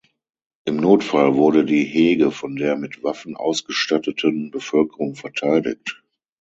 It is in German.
Im Notfall wurde die Hege von der mit Waffen ausgestatteten Bevölkerung verteidigt.